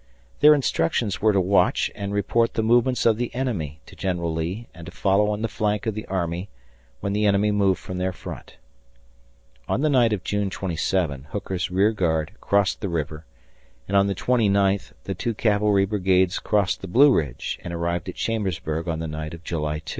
Their instructions were to watch and report the movements of the enemy to General Lee and to follow on the flank of the army when the enemy moved from their front. On the night of June 27 Hooker's rear guard crossed the river, and on the twenty ninth the two cavalry brigades crossed the Blue Ridge and arrived at Chambersburg on the night of July 2.